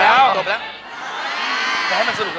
ออะไรมาให้มันสนุกกับไหม